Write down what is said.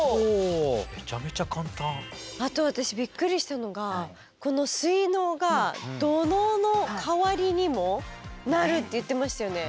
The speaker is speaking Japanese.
あと私びっくりしたのがこの水のうが土嚢の代わりにもなるって言ってましたよね。